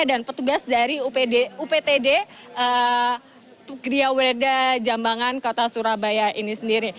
dan petugas dari uptd tugria wereda jambangan kota surabaya ini sendiri